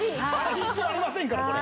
必要ありませんからこれ。